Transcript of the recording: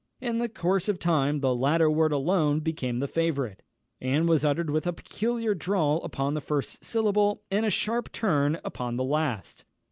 In the course of time, the latter word alone became the favourite, and was uttered with a peculiar drawl upon the first syllable, and a sharp turn upon the last.